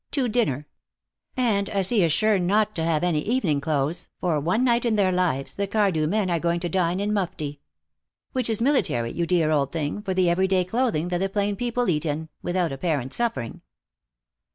To dinner. And as he is sure not to have any evening clothes, for one night in their lives the Cardew men are going to dine in mufti. Which is military, you dear old thing, for the everyday clothing that the plain people eat in, without apparent suffering!"